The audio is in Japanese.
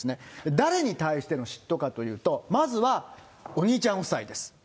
誰に対しての嫉妬かというと、まずはお兄ちゃん夫妻です。